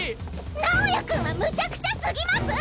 直也君はむちゃくちゃすぎます！